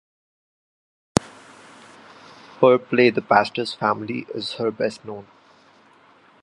Her play "The Pastor's Family" is her best known.